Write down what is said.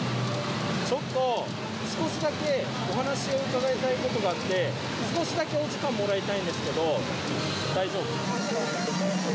ちょっと少しだけお話を伺いたいことがあって、少しだけお時間も大丈夫です。